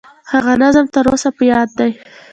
هغه نظم تر اوسه په یاد دي.